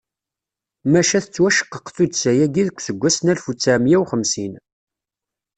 Maca tettwaceqqeq tuddsa-agi deg useggas n alef u ttɛemya u xemsin.